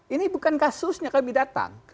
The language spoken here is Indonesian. ini bukan kasusnya kami datang